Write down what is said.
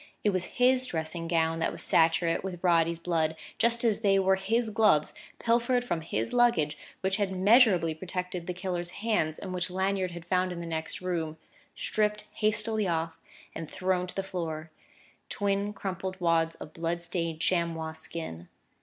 It was his dressing gown that was saturate with Roddy's blood, just as they were his gloves, pilfered from his luggage, which had measurably protected the killer's hands, and which Lanyard had found in the next room, stripped hastily off and thrown to the floor twin crumpled wads of blood stained chamois skin.